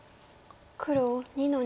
黒２の二。